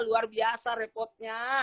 luar biasa repotnya